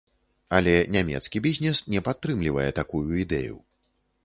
Але нямецкі бізнес не падтрымлівае такую ідэю.